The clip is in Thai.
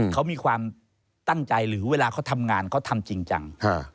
เขามีความตั้งใจหรือเวลาเขาทำงานเขาทำจริงจัง